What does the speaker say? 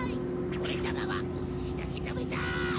オレさまはおすしだけたべたい！